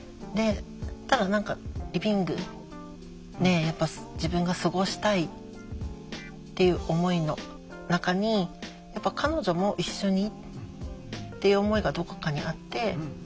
ただ何かリビングで自分が過ごしたいっていう思いの中にやっぱ彼女も一緒にっていう思いがどこかにあって。